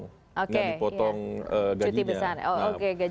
tidak dipotong gajinya